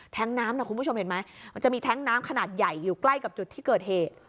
น้ำนะคุณผู้ชมเห็นไหมมันจะมีแท้งน้ำขนาดใหญ่อยู่ใกล้กับจุดที่เกิดเหตุ